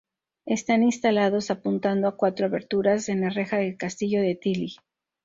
Están instalados apuntando a cuatro aberturas en la reja del castillo de Tilly.